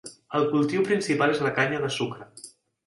El cultiu principal és la canya de sucre.